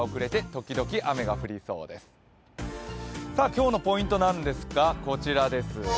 今日のポイントなんですが、こちらです。